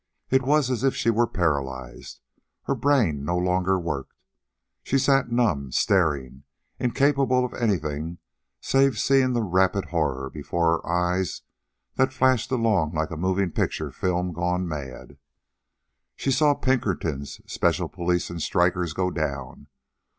It was as if she were paralyzed. Her brain no longer worked. She sat numb, staring, incapable of anything save seeing the rapid horror before her eyes that flashed along like a moving picture film gone mad. She saw Pinkertons, special police, and strikers go down.